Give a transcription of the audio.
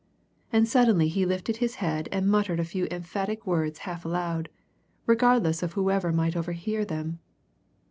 And suddenly he lifted his head and muttered a few emphatic words half aloud, regardless of whoever might overhear them.